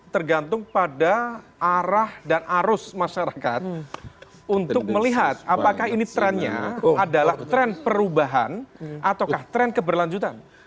tergantung pada arah dan arus masyarakat untuk melihat apakah ini trennya adalah tren perubahan ataukah tren keberlanjutan